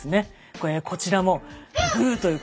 これこちらもグーということで。